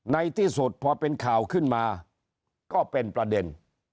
ในที่สุดพอเป็นข่าวขึ้นมาก็เป็นประเด็น